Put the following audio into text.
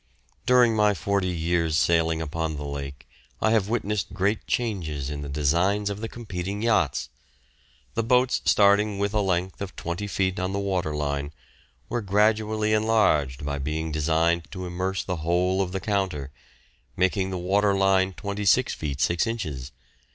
During my forty years' sailing upon the lake I have witnessed great changes in the designs of the competing yachts. The boats starting with a length of 20 feet on the water line, were gradually enlarged by being designed to immerse the whole of the counter, making the water line length 26 feet 6 inches.